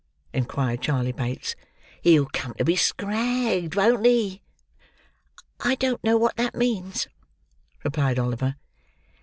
inquired Charley Bates. "He'll come to be scragged, won't he?" "I don't know what that means," replied Oliver.